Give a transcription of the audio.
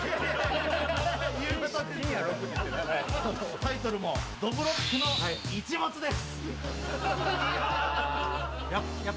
タイトルも「どぶろっくの一物」です！